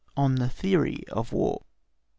On the Theory of War 1.